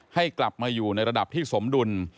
ให้กลับมาอยู่ในระดับที่สมดุล